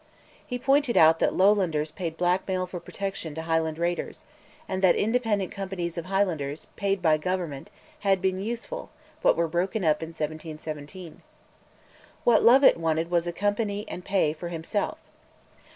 He pointed out that Lowlanders paid blackmail for protection to Highland raiders, and that independent companies of Highlanders, paid by Government, had been useful, but were broken up in 1717. What Lovat wanted was a company and pay for himself.